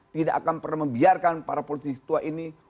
tidak akan pernah membiarkan para politisi tua ini